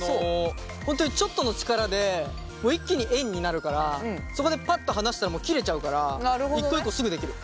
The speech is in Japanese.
本当にちょっとの力で一気に円になるからそこでパッと離したら切れちゃうから一個一個すぐ出来る。